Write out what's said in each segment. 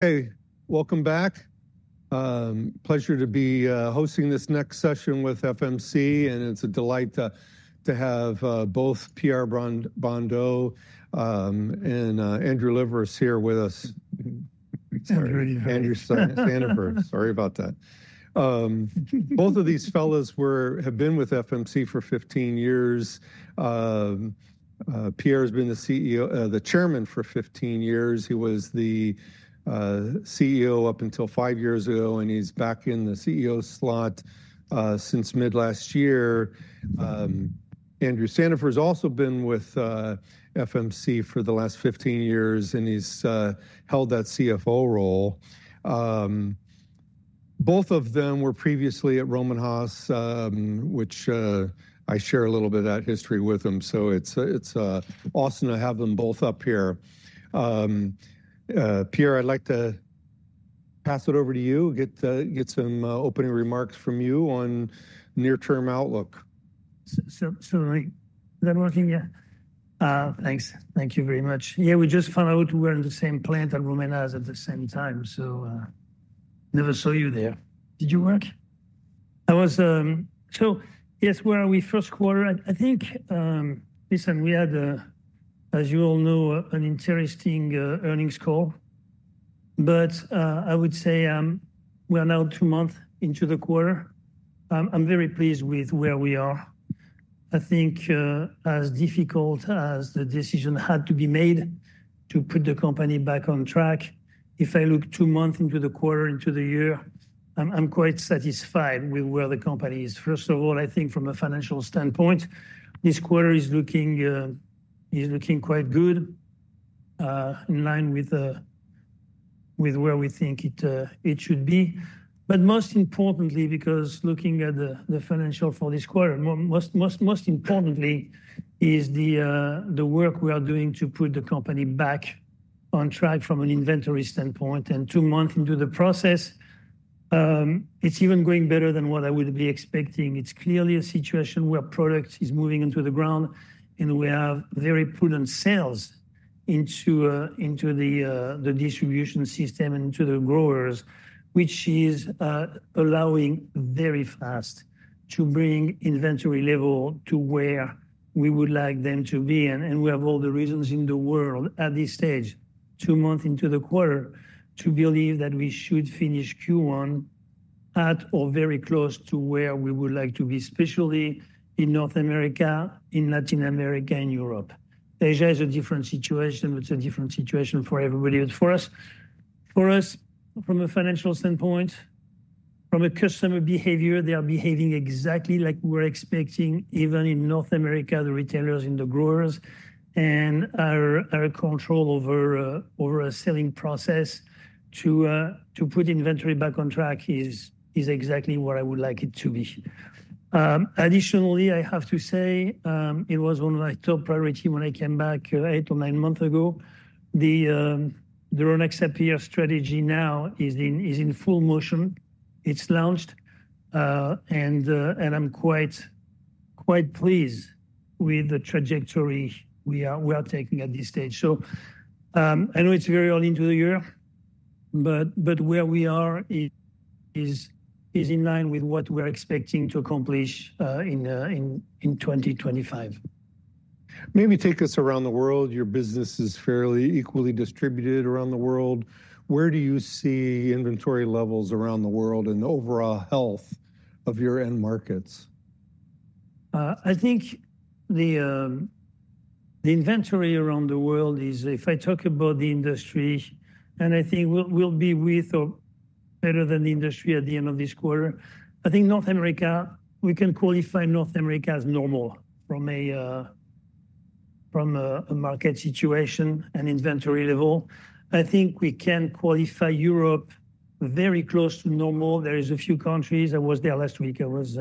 Hey, welcome back. Pleasure to be hosting this next session with FMC, and it's a delight to have both Pierre Brondeau and Andrew Sandifer here with us. Andrew Sandifer. Sorry about that. Both of these fellas have been with FMC for 15 years. Pierre's been the CEO, the Chairman for 15 years. He was the CEO up until five years ago, and he's back in the CEO slot since mid-last year. Andrew Sandifer's also been with FMC for the last 15 years, and he's held that CFO role. Both of them were previously at Rohm and Haas, which I share a little bit of that history with them. So it's awesome to have them both up here. Pierre, I'd like to pass it over to you, get some opening remarks from you on near-term outlook. So I'm working here. Thanks. Thank you very much. Yeah, we just found out we're in the same plant at Rohm and Haas at the same time. Never saw you there. Did you work? I was, so yes. Where are we? First quarter? I think we had, as you all know, an interesting earnings call, but I would say we are now two months into the quarter. I'm very pleased with where we are. I think, as difficult as the decision had to be made to put the company back on track, if I look two months into the quarter, into the year, I'm quite satisfied with where the company is. First of all, I think from a financial standpoint, this quarter is looking quite good, in line with where we think it should be. But most importantly, because looking at the financials for this quarter, most importantly is the work we are doing to put the company back on track from an inventory standpoint. And two months into the process, it's even going better than what I would be expecting. It's clearly a situation where product is moving into the ground, and we have very prudent sales into the distribution system and into the growers, which is allowing very fast to bring inventory level to where we would like them to be. And we have all the reasons in the world at this stage, two months into the quarter, to believe that we should finish Q1 at or very close to where we would like to be, especially in North America, in Latin America, in Europe. Asia is a different situation, but it's a different situation for everybody, but for us, from a financial standpoint, from a customer behavior, they are behaving exactly like we're expecting, even in North America, the retailers and the growers, and our control over a selling process to put inventory back on track is exactly what I would like it to be. Additionally, I have to say, it was one of my top priorities when I came back, eight or nine months ago. The Rynaxypyr strategy now is in full motion. It's launched, and I'm quite pleased with the trajectory we are taking at this stage, so I know it's very early into the year, but where we are is in line with what we're expecting to accomplish in 2025. Maybe take us around the world. Your business is fairly equally distributed around the world. Where do you see inventory levels around the world and the overall health of your end markets? I think the inventory around the world is, if I talk about the industry, and I think we'll be with or better than the industry at the end of this quarter. I think North America, we can qualify North America as normal from a market situation and inventory level. I think we can qualify Europe very close to normal. There is a few countries. I was there last week. I was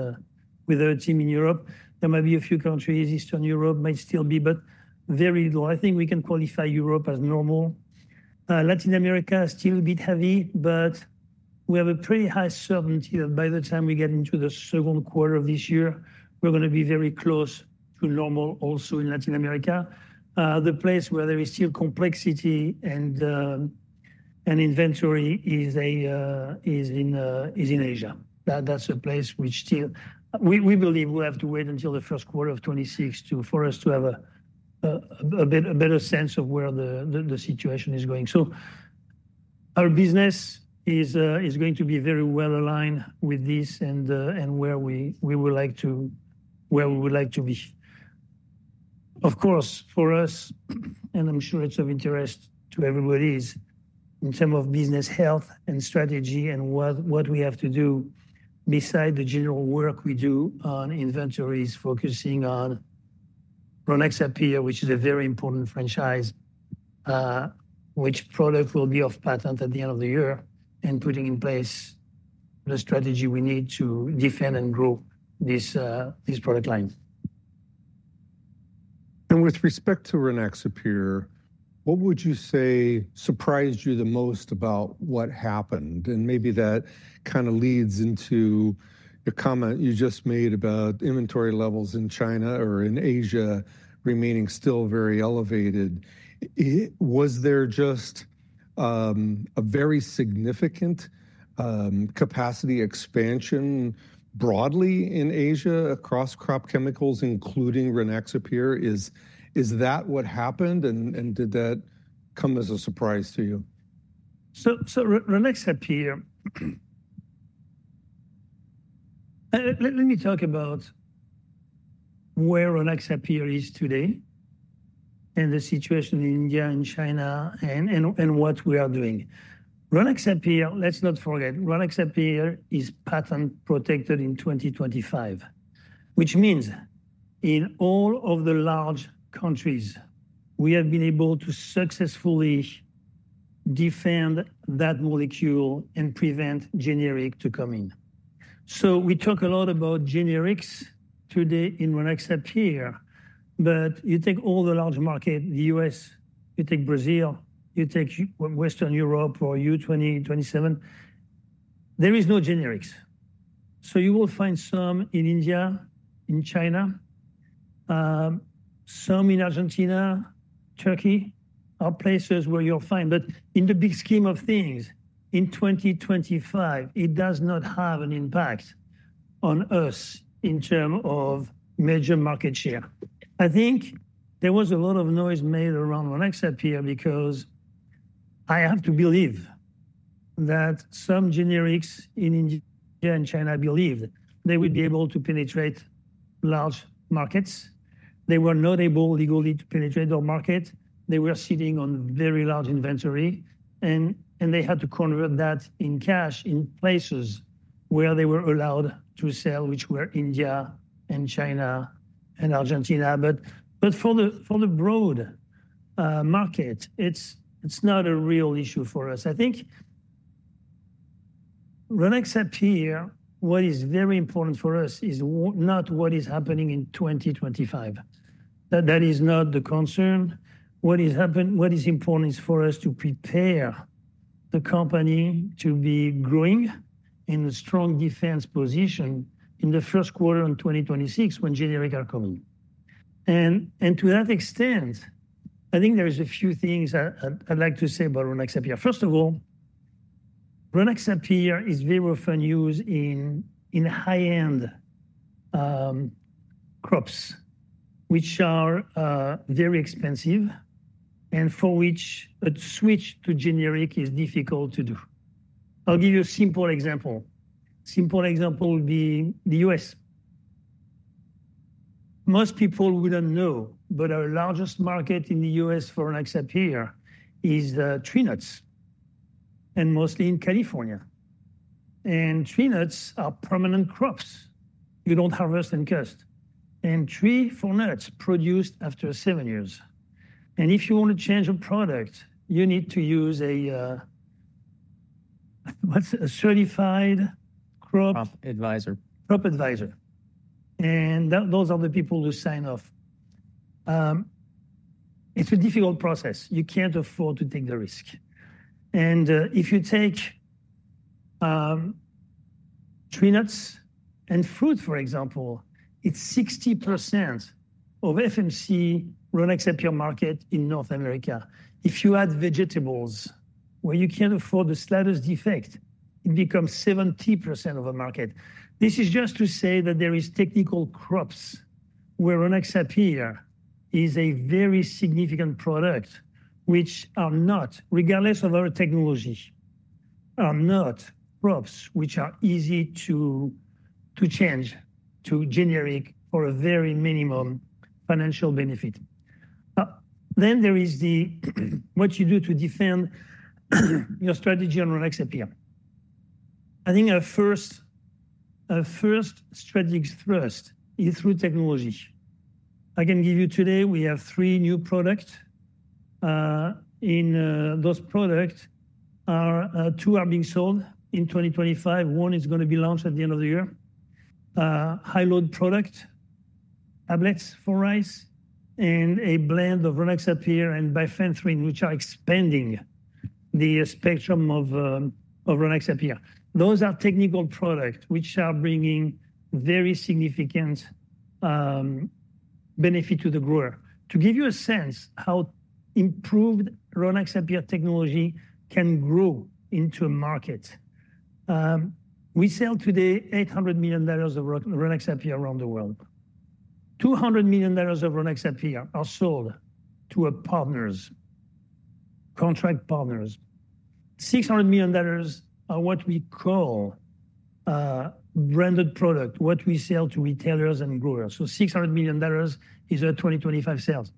with our team in Europe. There might be a few countries, Eastern Europe might still be, but very little. I think we can qualify Europe as normal. Latin America is still a bit heavy, but we have a pretty high certainty that by the time we get into the second quarter of this year, we're gonna be very close to normal also in Latin America. The place where there is still complexity and inventory is in Asia. That's a place which still we believe we have to wait until the first quarter of 2026 for us to have a bit better sense of where the situation is going. So our business is going to be very well aligned with this and where we would like to be. Of course, for us, and I'm sure it's of interest to everybody, is in terms of business health and strategy and what we have to do besides the general work we do on inventories, focusing on Rynaxypyr, which is a very important franchise, which product will be off patent at the end of the year and putting in place the strategy we need to defend and grow this product line. With respect to Rynaxypyr, what would you say surprised you the most about what happened? Maybe that kind of leads into your comment you just made about inventory levels in China or in Asia remaining still very elevated. It was there just a very significant capacity expansion broadly in Asia across crop chemicals, including Rynaxypyr? Is that what happened? Did that come as a surprise to you? So, Rynaxypyr, let me talk about where Rynaxypyr is today and the situation in India, in China, and what we are doing. Rynaxypyr, let's not forget, Rynaxypyr is patent protected in 2025, which means in all of the large countries, we have been able to successfully defend that molecule and prevent generic to come in. So we talk a lot about generics today in Rynaxypyr, but you take all the large market, the U.S., you take Brazil, you take Western Europe or EU-27, there is no generics. So you will find some in India, in China, some in Argentina, Turkey, other places where you'll find. But in the big scheme of things, in 2025, it does not have an impact on us in terms of major market share. I think there was a lot of noise made around Rynaxypyr because I have to believe that some generics in India and China believed they would be able to penetrate large markets. They were not able legally to penetrate their market. They were sitting on very large inventory, and they had to convert that in cash in places where they were allowed to sell, which were India and China and Argentina. But for the broad market, it's not a real issue for us. I think Rynaxypyr, what is very important for us is not what is happening in 2025. That is not the concern. What is happened, what is important is for us to prepare the company to be growing in a strong defense position in the first quarter in 2026 when generics are coming. And to that extent, I think there are a few things I'd like to say about Rynaxypyr. First of all, Rynaxypyr is very often used in high-end crops, which are very expensive and for which a switch to generic is difficult to do. I'll give you a simple example. Simple example would be the U.S. Most people wouldn't know, but our largest market in the U.S. for Rynaxypyr is tree nuts, and mostly in California. And tree nuts are permanent crops. You don't harvest and cut trees for nuts produced after seven years. And if you wanna change a product, you need to use a, what's a certified crop. Crop advisor. Crop advisor. And those are the people who sign off. It's a difficult process. You can't afford to take the risk. And if you take tree nuts and fruit, for example, it's 60% of FMC Rynaxypyr market in North America. If you add vegetables where you can't afford the slightest defect, it becomes 70% of the market. This is just to say that there are technical crops where Rynaxypyr is a very significant product, which are not, regardless of our technology, are not crops which are easy to change to generic for a very minimum financial benefit, then there is what you do to defend your strategy on Rynaxypyr. I think our first, our first strategic thrust is through technology. I can give you today, we have three new products. In those products, our two are being sold in 2025. One is gonna be launched at the end of the year. High load product tablets for rice and a blend of Rynaxypyr and bifenthrin, which are expanding the spectrum of Rynaxypyr. Those are technical products which are bringing very significant benefit to the grower. To give you a sense how improved Rynaxypyr technology can grow into a market, we sell today $800 million of Rynaxypyr around the world. $200 million of Rynaxypyr are sold to our partners, contract partners. $600 million are what we call branded product, what we sell to retailers and growers. So $600 million is our 2025 sales.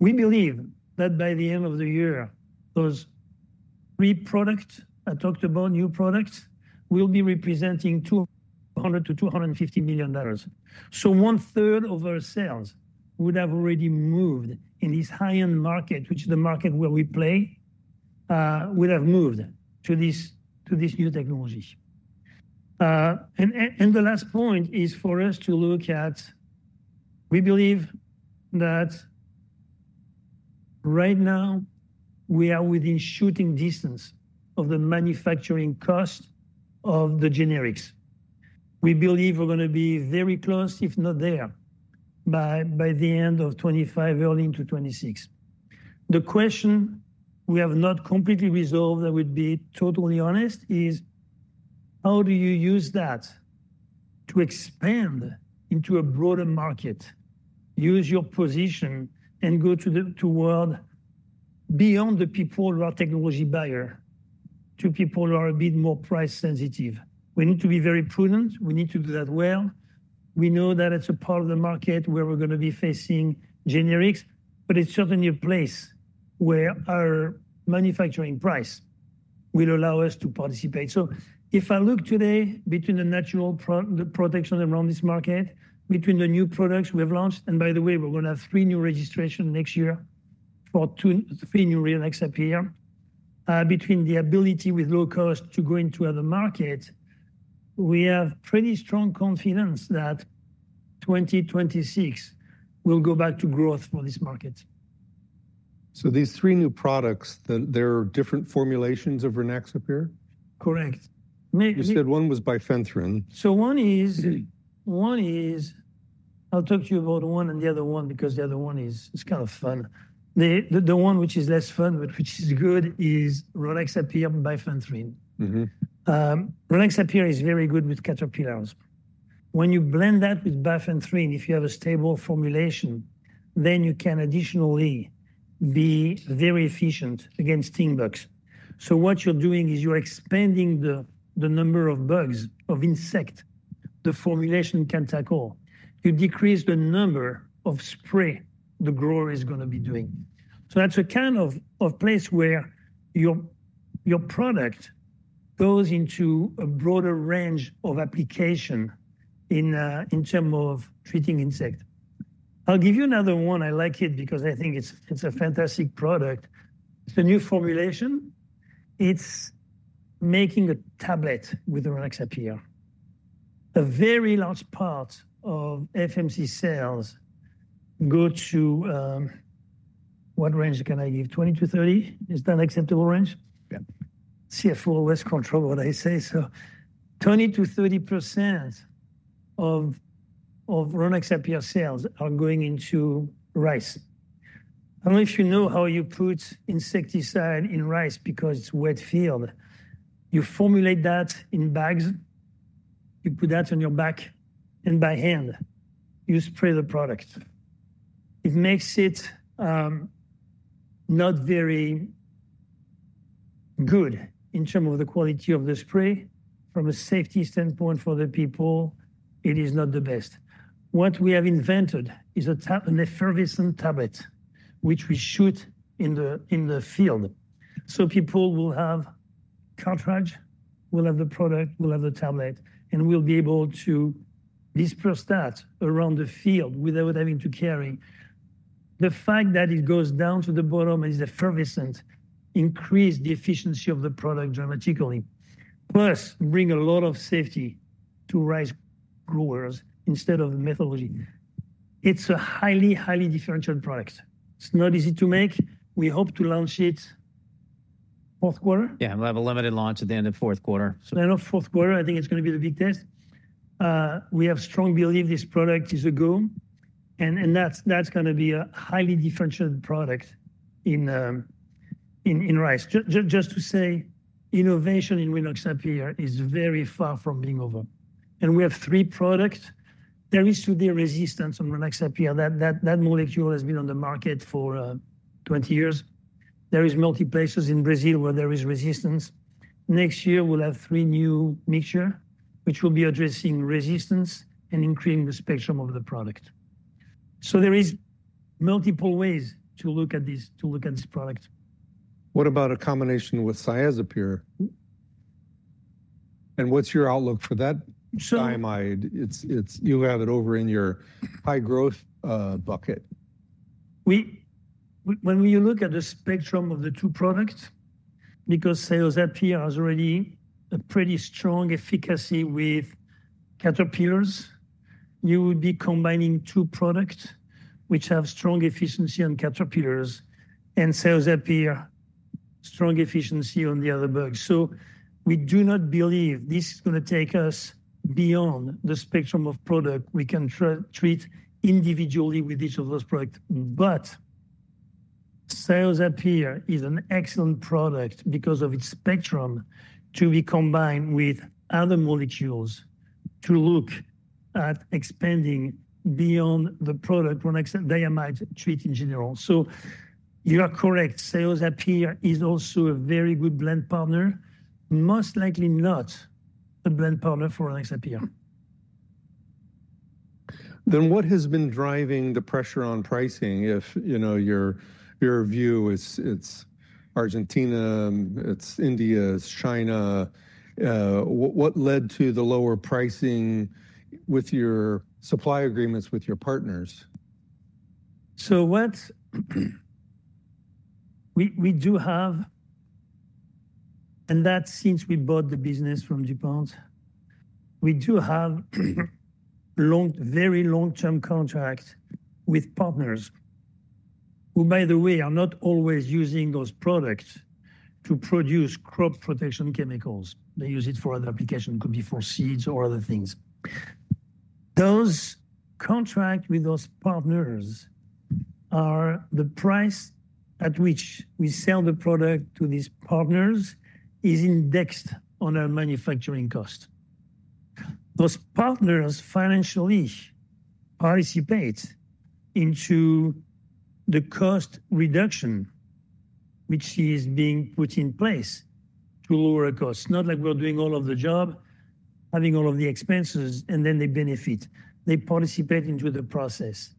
We believe that by the end of the year, those three products I talked about, new products, will be representing $200-$250 million. One third of our sales would have already moved in this high-end market, which is the market where we play, would have moved to this new technology. And the last point is for us to look at. We believe that right now we are within shooting distance of the manufacturing cost of the generics. We believe we're gonna be very close, if not there, by the end of 2025, early into 2026. The question we have not completely resolved, I would be totally honest, is how do you use that to expand into a broader market, use your position, and go to the world beyond the people who are technology buyer, to people who are a bit more price sensitive. We need to be very prudent. We need to do that well. We know that it's a part of the market where we're gonna be facing generics, but it's certainly a place where our manufacturing price will allow us to participate. If I look today between the natural pro, the protection around this market, between the new products we've launched, and by the way, we're gonna have three new registrations next year for two, three new Rynaxypyr, between the ability with low cost to go into other markets, we have pretty strong confidence that 2026 will go back to growth for this market. So these three new products, they're different formulations of Rynaxypyr? Correct. You said one was bifenthrin. So one is. I'll talk to you about one and the other one because the other one is. It's kind of fun. The one which is less fun, but which is good is Rynaxypyr and bifenthrin. Mm-hmm. Rynaxypyr is very good with caterpillars. When you blend that with bifenthrin, if you have a stable formulation, then you can additionally be very efficient against stink bugs, so what you're doing is you're expanding the number of bugs of insect the formulation can tackle. You decrease the number of spray the grower is gonna be doing, so that's a kind of place where your product goes into a broader range of application in terms of treating insect. I'll give you another one. I like it because I think it's a fantastic product. It's a new formulation. It's making a tablet with the Rynaxypyr. A very large part of FMC sales go to, what range can I give? 20-30, is that acceptable range? Yeah. CFO always controls what I say, so 20%-30% of Rynaxypyr sales are going into rice. I don't know if you know how you put insecticide in rice because it's wet field. You formulate that in bags. You put that on your back and by hand, you spray the product. It makes it not very good in terms of the quality of the spray. From a safety standpoint for the people, it is not the best. What we have invented is a tab, an effervescent tablet, which we shoot in the field. People will have cartridge, will have the product, will have the tablet, and we'll be able to disperse that around the field without having to carry. The fact that it goes down to the bottom and is effervescent increases the efficiency of the product dramatically, plus brings a lot of safety to rice growers instead of methodology. It's a highly, highly differential product. It's not easy to make. We hope to launch it fourth quarter. Yeah. We'll have a limited launch at the end of fourth quarter. The end of fourth quarter, I think it's gonna be the big test. We have strong belief this product is a go. And that's gonna be a highly differential product in rice. Just to say, innovation in Rynaxypyr is very far from being over. And we have three products. There is today resistance on Rynaxypyr. That molecule has been on the market for 20 years. There are multiple places in Brazil where there is resistance. Next year, we'll have three new mixtures, which will be addressing resistance and increasing the spectrum of the product. So there are multiple ways to look at this product. What about a combination with Cyazypyr? And what's your outlook for that? So. Diamide, it's you have it over in your high growth bucket. We, when you look at the spectrum of the two products, because Cyazypyr has already a pretty strong efficacy with caterpillars, you would be combining two products which have strong efficiency on caterpillars and Cyazypyr, strong efficiency on the other bugs, so we do not believe this is gonna take us beyond the spectrum of product we can treat individually with each of those products, but Cyazypyr is an excellent product because of its spectrum to be combined with other molecules to look at expanding beyond the product Rynaxypyr diamide treat in general, so you are correct. Cyazypyr is also a very good blend partner, most likely not a blend partner for Rynaxypyr. Then what has been driving the pressure on pricing? If, you know, your view, it's Argentina, it's India, it's China, what led to the lower pricing with your supply agreements with your partners? So what we do have, and that since we bought the business from DuPont, we do have long, very long-term contracts with partners who, by the way, are not always using those products to produce crop protection chemicals. They use it for other applications, could be for seeds or other things. Those contracts with those partners are the price at which we sell the product to these partners is indexed on our manufacturing cost. Those partners financially participate into the cost reduction, which is being put in place to lower costs. Not like we're doing all of the job, having all of the expenses, and then they benefit. They participate into the process.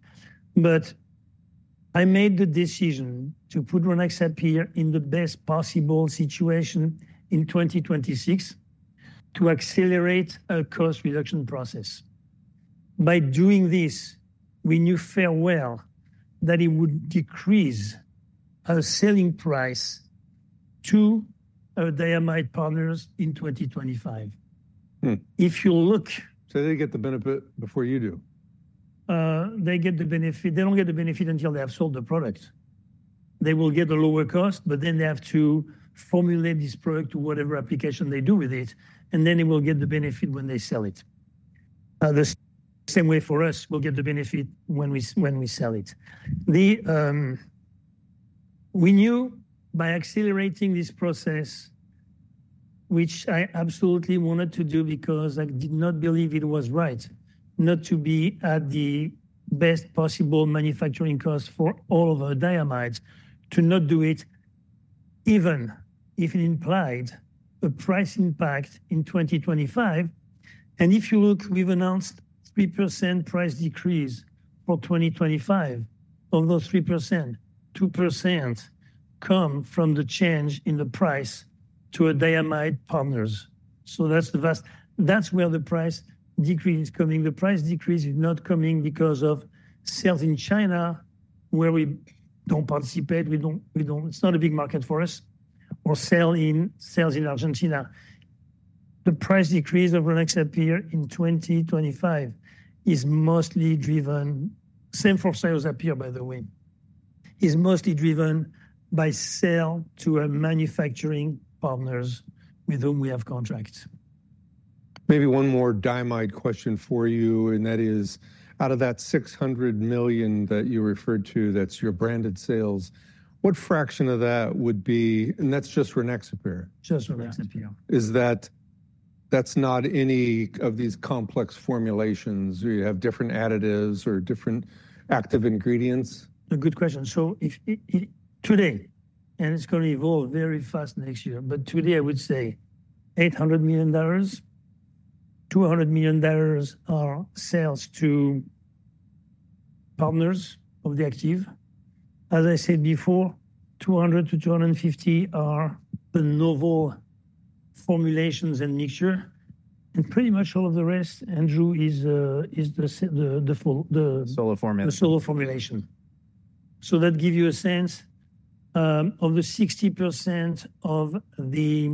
I made the decision to put Rynaxypyr in the best possible situation in 2026 to accelerate our cost reduction process. By doing this, we knew full well that it would decrease our selling price to our diamide partners in 2025. If you look. So they get the benefit before you do. They get the benefit. They don't get the benefit until they have sold the product. They will get a lower cost, but then they have to formulate this product to whatever application they do with it, and then they will get the benefit when they sell it. The same way for us, we'll get the benefit when we sell it. We knew by accelerating this process, which I absolutely wanted to do because I did not believe it was right not to be at the best possible manufacturing cost for all of our diamides, to not do it even if it implied a price impact in 2025. If you look, we've announced 3% price decrease for 2025. Of those 3%, 2% come from the change in the price to our Diamide partners. So that's where the price decrease is coming. The price decrease is not coming because of sales in China where we don't participate. We don't, it's not a big market for us or sales in Argentina. The price decrease of Rynaxypyr in 2025 is mostly driven, same for Cyazypyr, by the way, is mostly driven by sales to our manufacturing partners with whom we have contracts. Maybe one more diamide question for you, and that is out of that $600 million that you referred to, that's your branded sales, what fraction of that would be, and that's just Rynaxypyr? Just Rynaxypyr. Is that, that's not any of these complex formulations? You have different additives or different active ingredients? A good question, so if today, and it's gonna evolve very fast next year, but today I would say $800 million, $200 million are sales to partners of the active. As I said before, 200-250 are the novel formulations and mixture, and pretty much all of the rest, Andrew, is the full the. Solo formulation. The solo formulation, so that gives you a sense of the 60% of the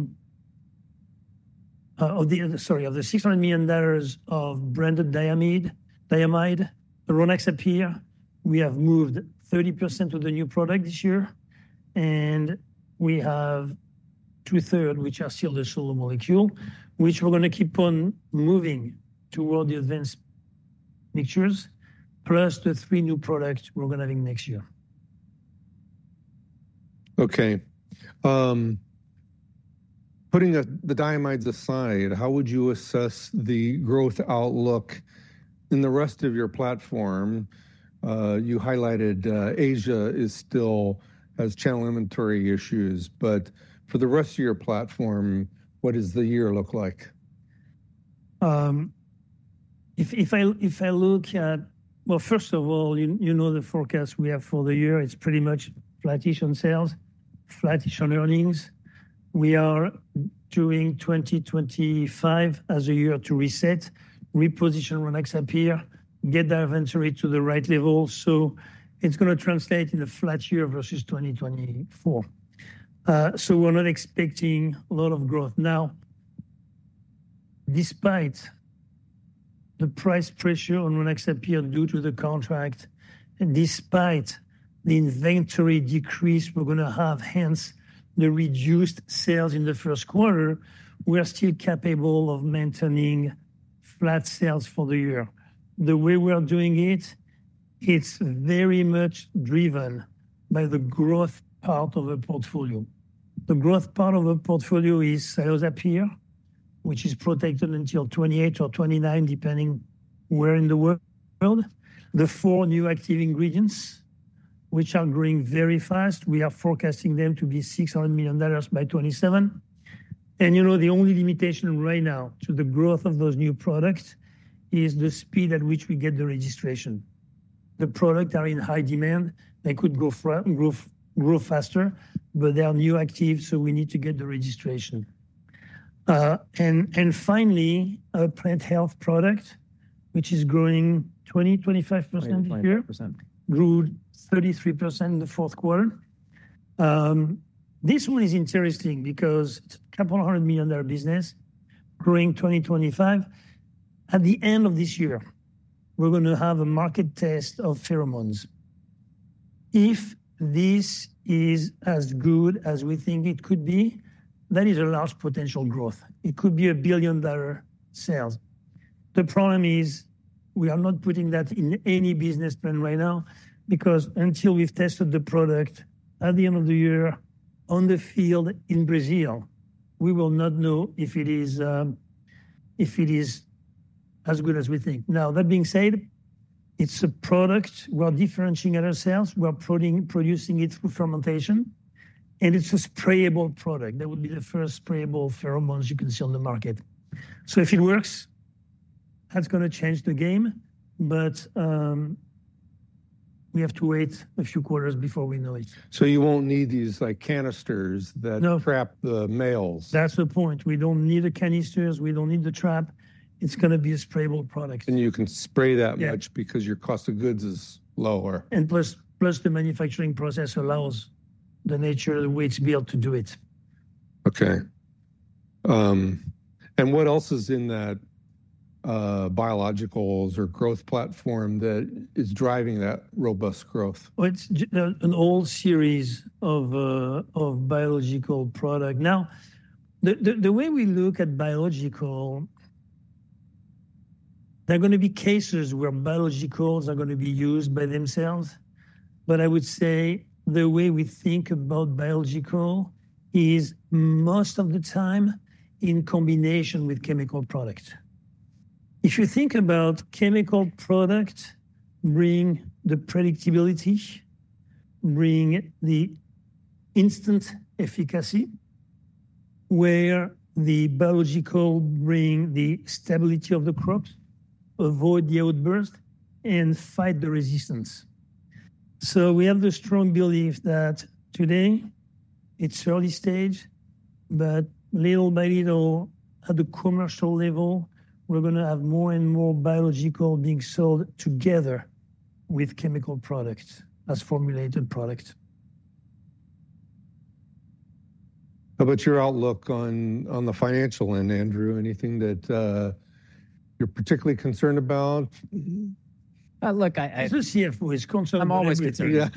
$600 million of branded diamide Rynaxypyr, we have moved 30% to the new product this year, and we have two-thirds, which are still the solo molecule, which we're gonna keep on moving toward the advanced mixtures, plus the three new products we're gonna have next year. Okay. Putting the diamides aside, how would you assess the growth outlook in the rest of your platform? You highlighted, Asia is still has channel inventory issues, but for the rest of your platform, what does the year look like? If I look at, well, first of all, you know the forecast we have for the year. It's pretty much flatish on sales, flatish on earnings. We are doing 2025 as a year to reset, reposition Rynaxypyr, get that inventory to the right level. So it's gonna translate in a flat year versus 2024. We're not expecting a lot of growth now. Despite the price pressure on Rynaxypyr due to the contract, and despite the inventory decrease we're gonna have, hence the reduced sales in the first quarter, we are still capable of maintaining flat sales for the year. The way we are doing it, it's very much driven by the growth part of the portfolio. The growth part of the portfolio is Cyazypyr, which is protected until 2028 or 2029, depending where in the world. The four new active ingredients, which are growing very fast, we are forecasting them to be $600 million by 2027. You know, the only limitation right now to the growth of those new products is the speed at which we get the registration. The products are in high demand. They could go faster, but they are new active, so we need to get the registration, and finally, our plant health product, which is growing 20%-25% this year. 25%. Grew 33% in the fourth quarter. This one is interesting because it's a $200 million business growing 2025. At the end of this year, we're gonna have a market test of pheromones. If this is as good as we think it could be, that is a large potential growth. It could be $1 billion sales. The problem is we are not putting that in any business plan right now because until we've tested the product at the end of the year on the field in Brazil, we will not know if it is, if it is as good as we think. Now, that being said, it's a product we're differentiating ourselves. We're producing it through fermentation, and it's a sprayable product. That would be the first sprayable pheromones you can see on the market. If it works, that's gonna change the game, but we have to wait a few quarters before we know it. So you won't need these, like, canisters that trap the males. That's the point. We don't need the canisters. We don't need the trap. It's gonna be a sprayable product. You can spray that much because your cost of goods is lower. Plus, the manufacturing process allows the nature of the way it's built to do it. Okay. And what else is in that, biologicals or growth platform that is driving that robust growth? It's an old series of biological product. Now, the way we look at biological, there are gonna be cases where biologicals are gonna be used by themselves, but I would say the way we think about biological is most of the time in combination with chemical products. If you think about chemical products bringing the predictability, bringing the instant efficacy, where the biological brings the stability of the crops, avoid the outburst, and fight the resistance. So we have the strong belief that today it's early stage, but little by little at the commercial level, we're gonna have more and more biological being sold together with chemical products as formulated products. How about your outlook on the financial end, Andrew? Anything that you're particularly concerned about? Look, I, as a CFO, it's concerning to me. I'm always concerned.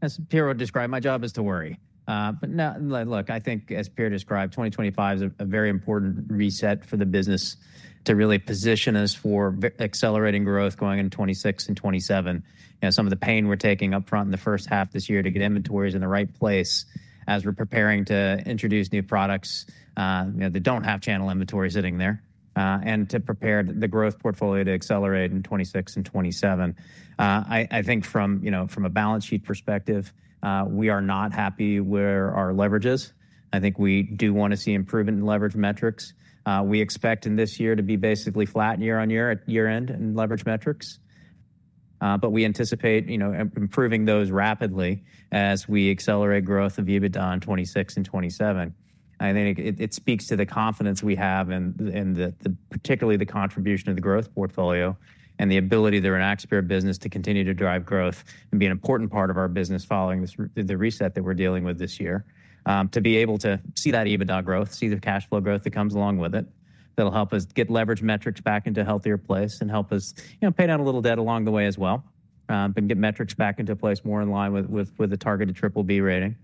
As Pierre would describe, my job is to worry. But no, look, I think as Pierre described, 2025 is a very important reset for the business to really position us for accelerating growth going into 2026 and 2027. You know, some of the pain we're taking upfront in the first half this year to get inventories in the right place as we're preparing to introduce new products, you know, that don't have channel inventory sitting there, and to prepare the growth portfolio to accelerate in 2026 and 2027. I think from, you know, from a balance sheet perspective, we are not happy where our leverage is. I think we do wanna see improvement in leverage metrics. We expect in this year to be basically flat year on year at year end in leverage metrics. But we anticipate, you know, improving those rapidly as we accelerate growth of EBITDA in 2026 and 2027. I think it speaks to the confidence we have in particularly the contribution of the growth portfolio and the ability of the Rynaxypyr business to continue to drive growth and be an important part of our business following this the reset that we're dealing with this year, to be able to see that EBITDA growth, see the cash flow growth that comes along with it that'll help us get leverage metrics back into a healthier place and help us, you know, pay down a little debt along the way as well, and get metrics back into place more in line with the targeted triple B rating,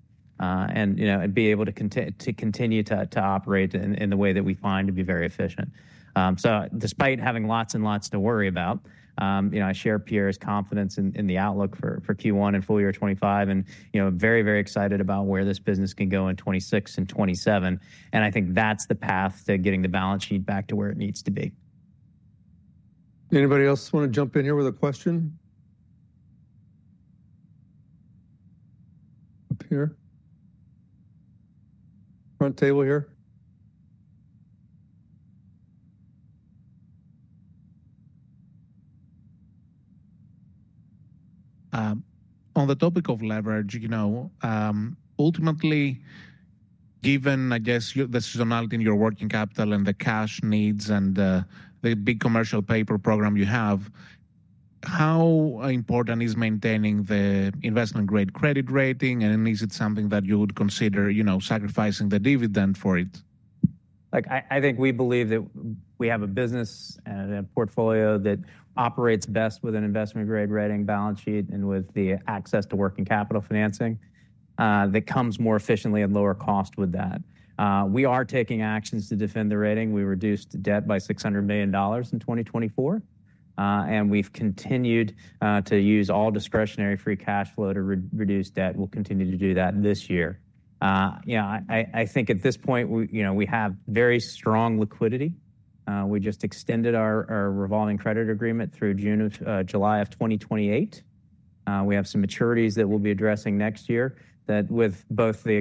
and, you know, be able to continue to operate in the way that we find to be very efficient. So despite having lots and lots to worry about, you know, I share Pierre's confidence in the outlook for Q1 and full year 2025 and, you know, very, very excited about where this business can go in 2026 and 2027. And I think that's the path to getting the balance sheet back to where it needs to be. Anybody else wanna jump in here with a question? Up here? Front table here? On the topic of leverage, you know, ultimately, given, I guess, the seasonality in your working capital and the cash needs and, the big commercial paper program you have, how important is maintaining the investment grade credit rating and is it something that you would consider, you know, sacrificing the dividend for it? Look, I think we believe that we have a business and a portfolio that operates best with an investment grade rating balance sheet and with the access to working capital financing that comes more efficiently at lower cost with that. We are taking actions to defend the rating. We reduced debt by $600 million in 2024, and we've continued to use all discretionary free cash flow to reduce debt. We'll continue to do that this year. You know, I think at this point, you know, we have very strong liquidity. We just extended our revolving credit agreement through June, July of 2028. We have some maturities that we'll be addressing next year with both the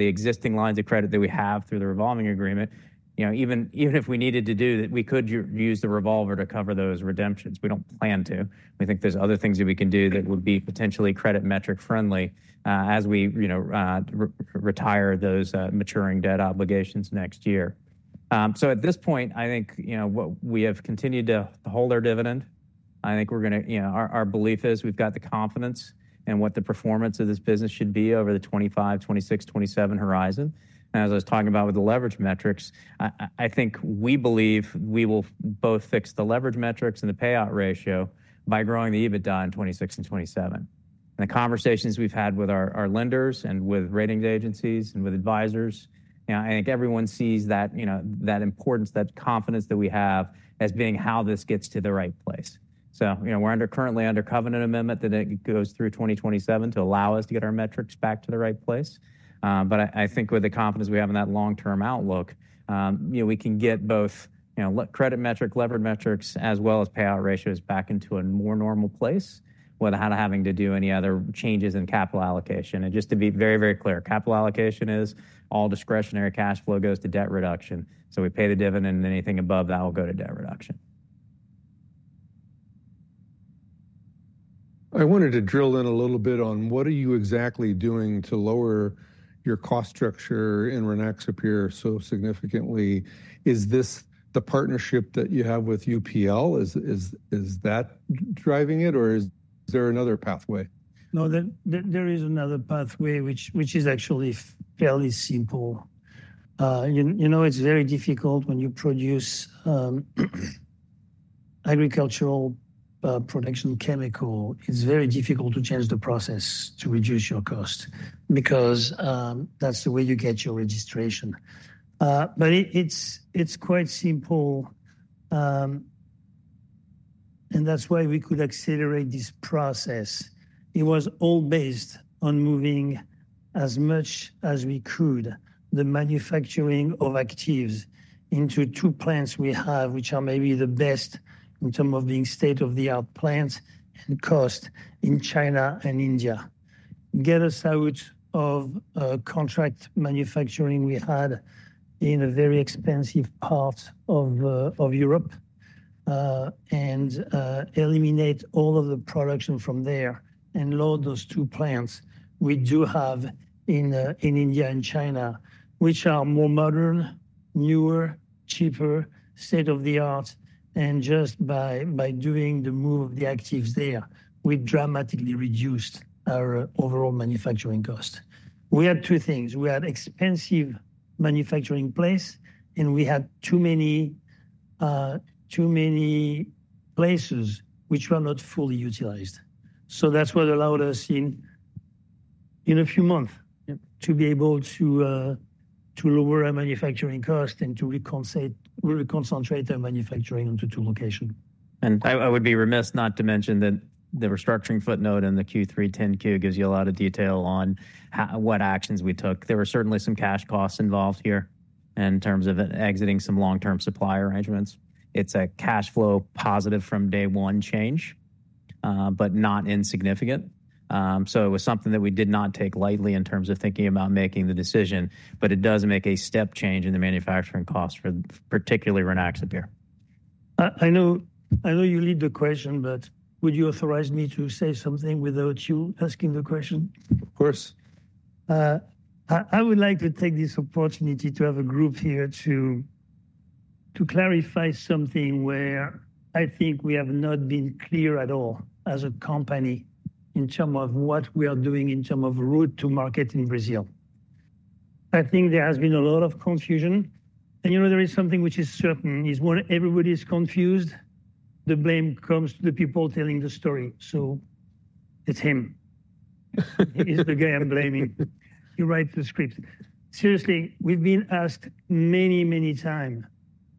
existing lines of credit that we have through the revolving agreement, you know, even if we needed to do that, we could use the revolver to cover those redemptions. We don't plan to. We think there's other things that we can do that would be potentially credit metric friendly, as we, you know, retire those maturing debt obligations next year. So at this point, I think, you know, what we have continued to hold our dividend. I think we're gonna, you know, our belief is we've got the confidence in what the performance of this business should be over the 2025, 2026, 2027 horizon. As I was talking about with the leverage metrics, I think we believe we will both fix the leverage metrics and the payout ratio by growing the EBITDA in 2026 and 2027. The conversations we've had with our lenders and with rating agencies and with advisors, you know, I think everyone sees that, you know, that importance, that confidence that we have as being how this gets to the right place. You know, we're currently under covenant amendment that it goes through 2027 to allow us to get our metrics back to the right place, but I think with the confidence we have in that long-term outlook, you know, we can get both, you know, credit metric, leverage metrics, as well as payout ratios back into a more normal place without having to do any other changes in capital allocation. Just to be very, very clear, capital allocation is all discretionary cash flow goes to debt reduction. So we pay the dividend, and anything above that will go to debt reduction. I wanted to drill in a little bit on what are you exactly doing to lower your cost structure in Rynaxypyr so significantly. Is this the partnership that you have with UPL? Is that driving it, or is there another pathway? No, there is another pathway, which is actually fairly simple. You know, it's very difficult when you produce agricultural production chemical. It's very difficult to change the process to reduce your cost because that's the way you get your registration, but it's quite simple, and that's why we could accelerate this process. It was all based on moving as much as we could the manufacturing of actives into two plants we have, which are maybe the best in terms of being state-of-the-art plants and cost in China and India. Get us out of contract manufacturing we had in a very expensive part of Europe, and eliminate all of the production from there and load those two plants we do have in India and China, which are more modern, newer, cheaper, state-of-the-art. Just by doing the move of the actives there, we dramatically reduced our overall manufacturing cost. We had two things. We had expensive manufacturing place, and we had too many places which were not fully utilized. That is what allowed us in a few months to be able to lower our manufacturing cost and to reconcentrate our manufacturing onto two locations. I would be remiss not to mention that the restructuring footnote in the Q3 10-Q gives you a lot of detail on how what actions we took. There were certainly some cash costs involved here in terms of exiting some long-term supply arrangements. It's a cash flow positive from day one change, but not insignificant. So it was something that we did not take lightly in terms of thinking about making the decision, but it does make a step change in the manufacturing cost for particularly Rynaxypyr. I know, I know you led the question, but would you authorize me to say something without you asking the question? Of course. I would like to take this opportunity to have a group here to clarify something where I think we have not been clear at all as a company in terms of what we are doing in terms of route to market in Brazil. I think there has been a lot of confusion. You know, there is something which is certain: when everybody's confused, the blame comes to the people telling the story. So it's him. He's the guy I'm blaming. He writes the script. Seriously, we've been asked many, many times,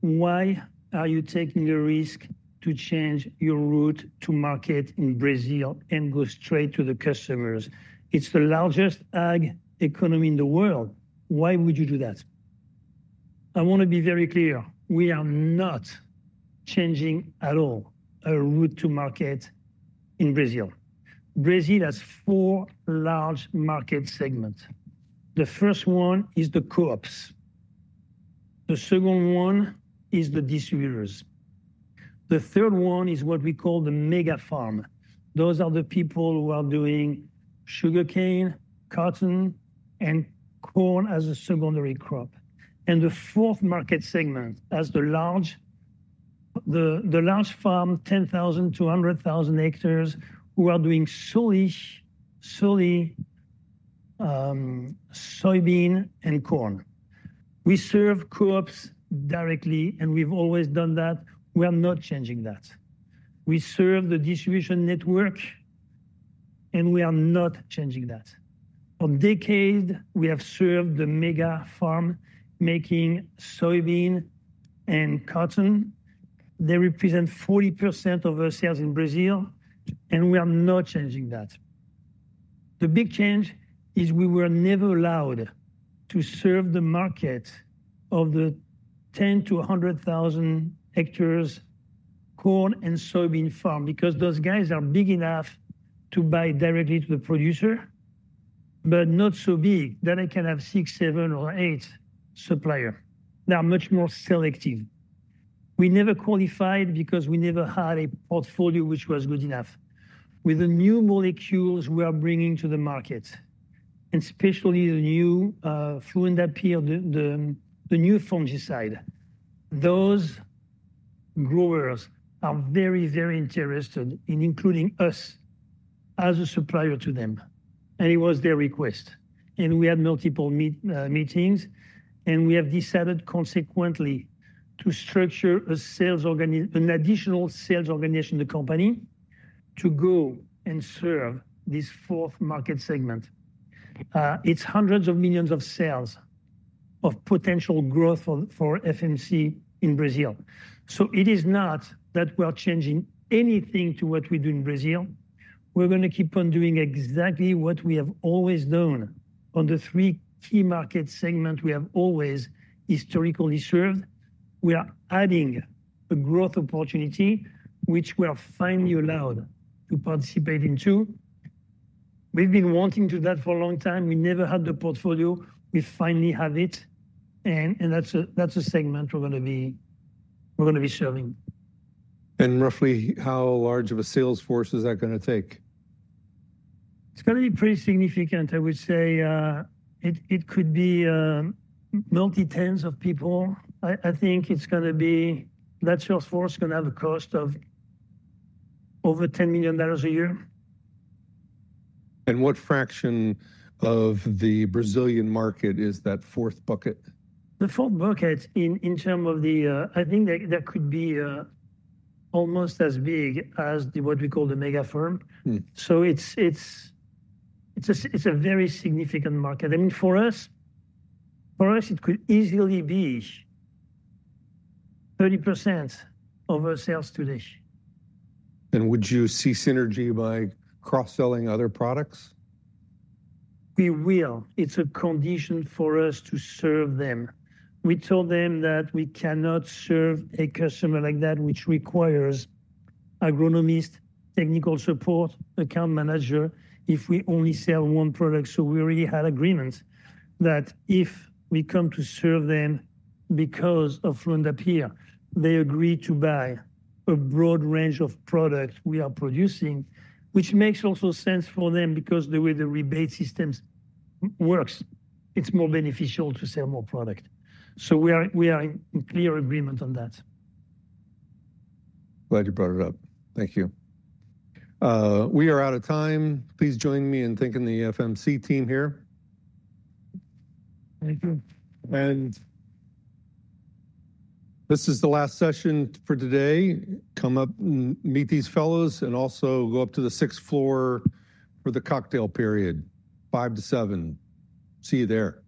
why are you taking the risk to change your route to market in Brazil and go straight to the customers? It's the largest ag economy in the world. Why would you do that? I wanna be very clear. We are not changing at all our route to market in Brazil. Brazil has four large market segments. The first one is the co-ops. The second one is the distributors. The third one is what we call the mega farm. Those are the people who are doing sugarcane, cotton, and corn as a secondary crop. And the fourth market segment has the large farm, 10,000-100,000 hectares, who are doing solely soybean and corn. We serve co-ops directly, and we've always done that. We are not changing that. We serve the distribution network, and we are not changing that. For decades, we have served the mega farm making soybean and cotton. They represent 40% of our sales in Brazil, and we are not changing that. The big change is we were never allowed to serve the market of the 10,000-100,000 hectares corn and soybean farm because those guys are big enough to buy directly to the producer, but not so big that they can have six, seven, or eight suppliers. They are much more selective. We never qualified because we never had a portfolio which was good enough. With the new molecules we are bringing to the market, and especially the new fluindapyr, the new fungicide, those growers are very, very interested in including us as a supplier to them, and it was their request, and we had multiple meetings, and we have decided consequently to structure a sales organization, an additional sales organization in the company to go and serve this fourth market segment. It's hundreds of millions of sales of potential growth for FMC in Brazil. It is not that we are changing anything to what we do in Brazil. We're gonna keep on doing exactly what we have always done on the three key market segments we have always historically served. We are adding a growth opportunity which we are finally allowed to participate in. We've been wanting to do that for a long time. We never had the portfolio. We finally have it. And that's a segment we're gonna be serving. Roughly how large of a sales force is that gonna take? It's gonna be pretty significant. I would say, it could be multi-tens of people. I think it's gonna be that sales force is gonna have a cost of over $10 million a year. What fraction of the Brazilian market is that fourth bucket? The fourth bucket in terms of the, I think that could be almost as big as what we call the mega farm. So it's a very significant market. I mean, for us, it could easily be 30% of our sales today. Would you see synergy by cross-selling other products? We will. It's a condition for us to serve them. We told them that we cannot serve a customer like that, which requires agronomist, technical support, account manager if we only sell one product. So we already had agreements that if we come to serve them because of fluindapyr, they agree to buy a broad range of products we are producing, which makes also sense for them because the way the rebate systems works, it's more beneficial to sell more product. So we are in clear agreement on that. Glad you brought it up. Thank you. We are out of time. Please join me in thanking the FMC team here. Thank you. This is the last session for today. Come up and meet these fellows and also go up to the sixth floor for the cocktail period, five to seven. See you there.